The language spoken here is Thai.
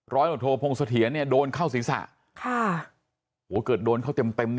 ร้อยหลวงโทชูวิทย์พงศาเทียเนี่ยโดนเข้าศีรษะค่ะโอ้โหเกิดโดนเข้าเต็ม